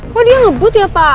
kok dia ngebut ya pak